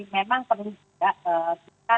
memang perlu juga kita